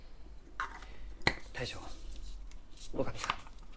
大将女将さん